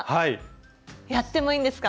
やってもいいんですか？